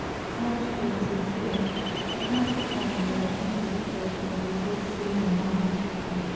Not to be insincere, I cannot pretend that I viewed the situation with his single mind.